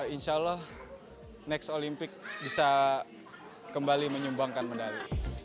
insya allah next olympic bisa kembali menyumbangkan medali